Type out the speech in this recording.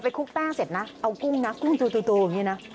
คลุกแป้งเสร็จนะเอากุ้งนะกุ้งจูอย่างนี้นะ